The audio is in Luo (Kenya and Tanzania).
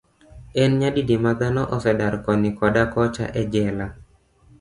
En nyadidi ma dhano osedar koni koda kocha e jela.